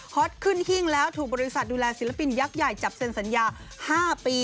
อตขึ้นหิ้งแล้วถูกบริษัทดูแลศิลปินยักษ์ใหญ่จับเซ็นสัญญา๕ปี